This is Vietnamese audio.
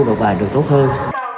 độc bài được tốt hơn